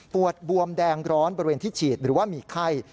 ปวดบวมแดงร้อนบริเวณที่ฉีดหรือว่ามีไข้